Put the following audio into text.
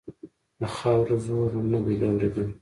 د خاورو زور و؛ نه دې اورېدل.